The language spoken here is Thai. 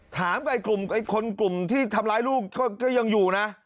ถามกับกลุ่มคนกลุ่มที่ทำร้ายลูกก็ยังอยู่นะ